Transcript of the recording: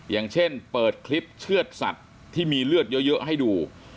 อย่างเช่นเปิดคลิปเชื่อดสัตว์ที่มีเลือดเยอะให้ดู